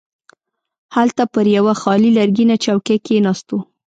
هلته پر یوه خالي لرګینه چوکۍ کښیناستو.